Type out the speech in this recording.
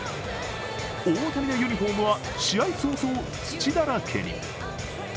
大谷のユニフォームは試合早々、土だらけに。